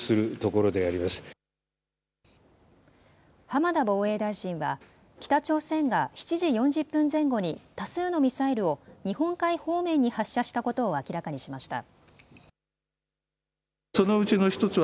浜田防衛大臣は北朝鮮が７時４０分前後に多数のミサイルを日本海方面に発射したことを明らかにしました。